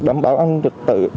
đảm bảo an trực tự